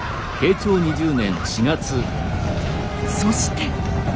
そして。